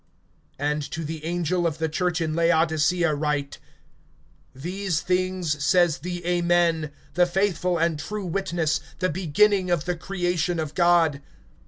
(14)And to the angel of the church in Laodicea write: These things says the Amen, the faithful and true witness, the beginning of the creation of God.